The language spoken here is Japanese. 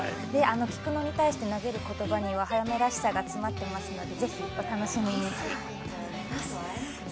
菊乃に対して投げる言葉には早梅らしさが詰まってますのでぜひお楽しみに。